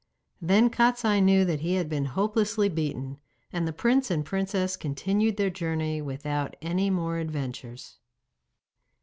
Then Kostiei knew that he had been hopelessly beaten, and the prince and princess continued their journey without any more adventures.